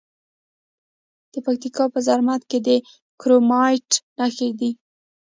د پکتیا په زرمت کې د کرومایټ نښې شته.